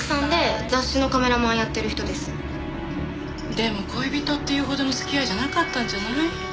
でも恋人っていうほどの付き合いじゃなかったんじゃない？